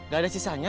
gak ada sisanya